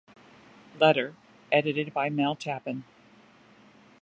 Letter, edited by Mel Tappan.